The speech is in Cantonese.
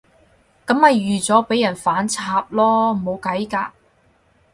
噉咪預咗畀人反插囉，冇計㗎